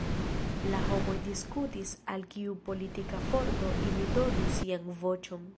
La homoj diskutis al kiu politika forto ili donu sian voĉon.